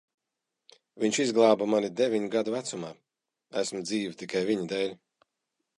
Viņš izglāba mani deviņu gadu vecumā. Esmu dzīva tikai viņa dēļ.